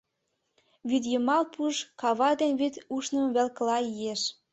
Вӱдйымал пуш кава ден вӱд ушнымо велкыла иеш.